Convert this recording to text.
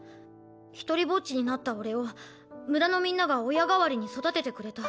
独りぼっちになった俺を村のみんなが親代わりに育ててくれた。